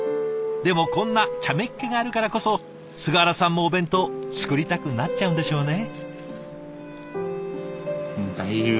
でもこんなちゃめっ気があるからこそ菅原さんもお弁当作りたくなっちゃうんでしょうね。